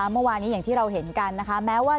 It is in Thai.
สวัสดีค่ะคุณผู้ชมค่ะสิ่งที่คาดว่าอาจจะเกิดขึ้นแล้วนะคะ